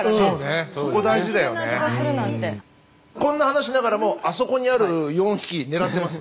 こんな話しながらもあそこにある４匹狙ってます。